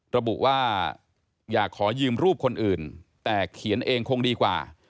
ระบุว่าอยากขอยืมรูปคนอื่นแต่เขียนเองคงดีกว่า